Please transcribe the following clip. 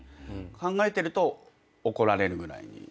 考えてると怒られるぐらいに。